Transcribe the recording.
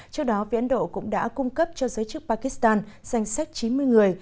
trước đó viện ấn độ cũng đã cung cấp cho giới chức pakistan danh sách chín mươi người